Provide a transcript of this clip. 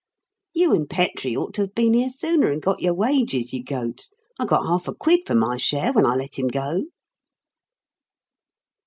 You and Petrie ought to have been here sooner and got your wages, you goats. I got half a quid for my share when I let him go."